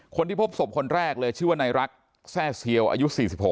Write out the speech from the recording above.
คนที่พบศพคนแรกเลยชื่อว่านายรักแทร่เซียวอายุ๔๖